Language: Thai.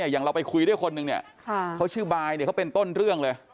อย่างเราไปคุยด้วยคนนึงเนี่ยเขาชื่อบายเนี่ยเขาเป็นต้นเรื่องเลย